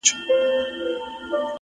اخلاص د اړیکو ارزښت زیاتوي